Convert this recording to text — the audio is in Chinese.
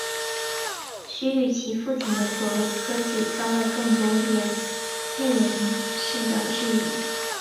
徐与其父亲的所谓科技遭到众多业内人士的质疑。